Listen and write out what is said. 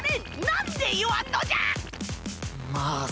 なんで言わんのじゃ！